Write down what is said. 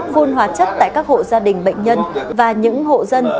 phun hóa chất tại các hộ gia đình bệnh nhân và những hộ dân ở trong vùng dịch